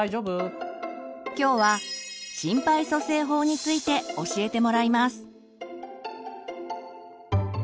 きょうは心肺蘇生法について教えてもらいます。